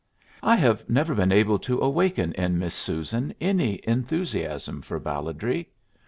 I have never been able to awaken in Miss Susan any enthusiasm for balladry.